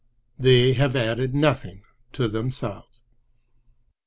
They have added nothing to themselves.